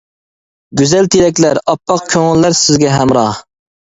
گۈزەل تىلەكلەر، ئاپئاق كۆڭۈللەر سىزگە ھەمراھ!